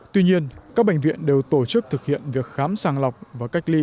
tuy nhiên các bệnh viện đều tổ chức thực hiện việc khám sàng lọc và cách ly